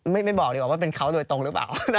ไม่บอกดีกว่าว่าเป็นเขาโดยตรงหรือเปล่า